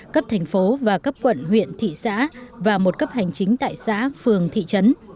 cấp thành phố và cấp quận huyện thị xã và một cấp hành chính tại xã phường thị trấn